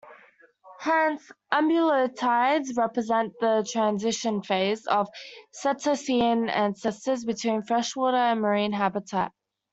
Hence, ambulocetids represent the transition phase of cetacean ancestors between freshwater and marine habitat.